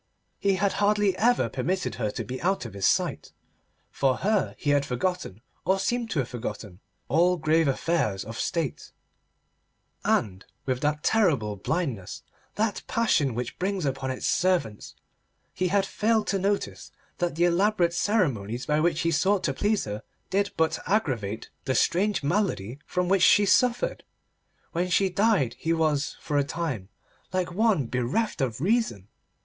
He had hardly ever permitted her to be out of his sight; for her, he had forgotten, or seemed to have forgotten, all grave affairs of State; and, with that terrible blindness that passion brings upon its servants, he had failed to notice that the elaborate ceremonies by which he sought to please her did but aggravate the strange malady from which she suffered. When she died he was, for a time, like one bereft of reason.